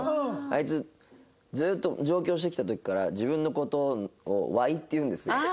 あいつずーっと上京してきた時から自分の事を「わい」って言うんですよ。